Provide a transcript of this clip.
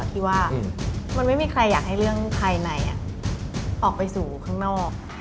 ที่ว่ามันไม่มีใครอยากให้เรื่องภายในออกไปสู่ข้างนอก